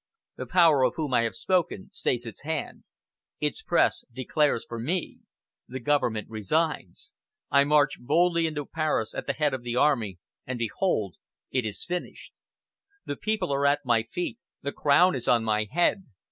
The Power of whom I have spoken stays its hand. Its Press declares for me. The government resigns. I march boldly into Paris at the head of the army, and behold it is finished. The people are at my feet, the crown is on my head.